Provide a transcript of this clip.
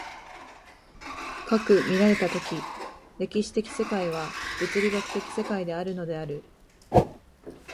斯く見られた時、歴史的世界は物理学的世界であるのである、